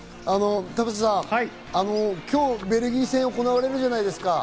田臥さん、今日ベルギー戦が行われるじゃないですか。